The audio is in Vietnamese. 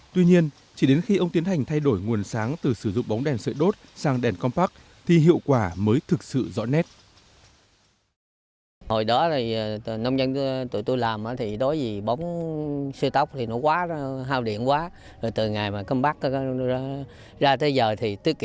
tuy nhiên chỉ đến khi ông tiến hành thay đổi nguồn sáng từ sử dụng bóng đèn sợi đốt sang đèn compact thì hiệu quả mới thực sự rõ nét